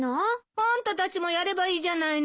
あんたたちもやればいいじゃないの。